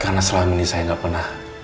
karena selama ini saya gak pernah